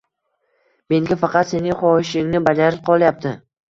Menga faqat sening xohishingni bajarish qolyapti